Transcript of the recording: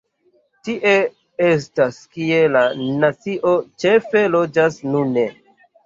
Tie estas kie la nacio ĉefe loĝas nune.